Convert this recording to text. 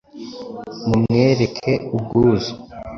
Mumwereke ubwuzu